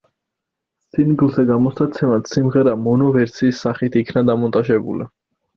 სინგლზე გამოსაცემად სიმღერა მონო ვერსიის სახით იქნა დამონტაჟებული.